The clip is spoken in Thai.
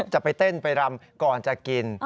จะไปเต้นไปรำก่อนจะกิน